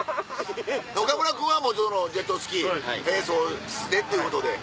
岡村君はもうジェットスキー並走してっていうことで。